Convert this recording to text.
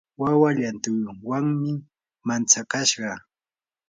wawa llantunwanmi mantsakashqa.